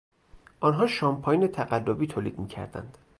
آنها شامپاین تقلبی تولید میکردند.